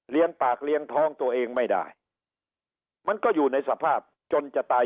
ปากเลี้ยงท้องตัวเองไม่ได้มันก็อยู่ในสภาพจนจะตาย